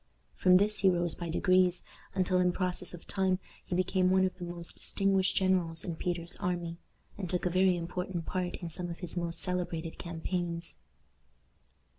From this he rose by degrees, until in process of time he became one of the most distinguished generals in Peter's army, and took a very important part in some of his most celebrated campaigns.